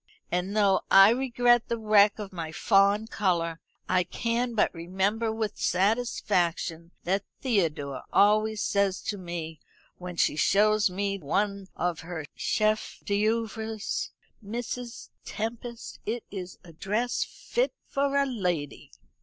And though I regret the wreck of my fawn colour, I can but remember with satisfaction what Theodore always says to me when she shows me one of her chef d'oeuvres: 'Mrs. Tempest, it is a dress fit for a lady.'